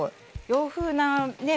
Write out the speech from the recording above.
洋風なね